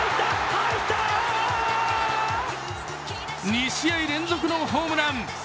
２試合連続のホームラン。